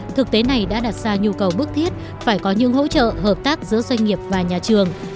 thực tế này đã đặt ra nhu cầu bức thiết phải có những hỗ trợ hợp tác giữa doanh nghiệp và nhà trường